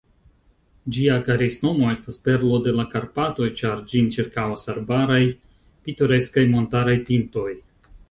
Ĝia karesnomo estas "Perlo de la Karpatoj", ĉar ĝin ĉirkaŭas arbaraj, pitoreskaj montaraj pintoj.